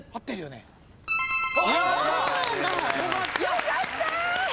よかった！